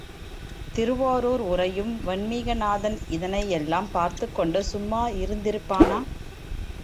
திருவாரூர் உறையும் வன்மீகநாதன் இதனையெல்லாம் பார்த்துக்கொண்டு சும்மா இருந்திருப்பானா?